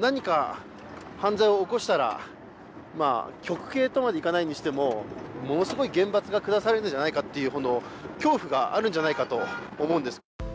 何か犯罪を起こしたら極刑とまではいかなくてもものすごい厳罰が下されるのではないかという恐怖があるんじゃないかと思うんです。